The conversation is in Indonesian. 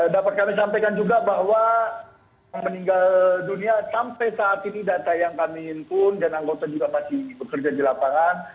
dapat kami sampaikan juga bahwa yang meninggal dunia sampai saat ini data yang kami himpun dan anggota juga masih bekerja di lapangan